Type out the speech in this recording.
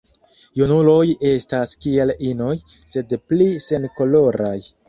Junuloj estas kiel inoj, sed pli senkoloraj.